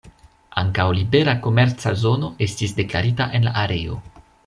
Ankaŭ libera komerca zono estis deklarita en la areo.